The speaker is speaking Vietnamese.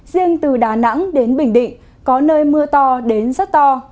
riêng từ đà nẵng đến bình định có nơi mưa to đến rất to